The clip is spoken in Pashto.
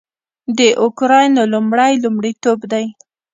د اوکراین لومړی لومړیتوب دی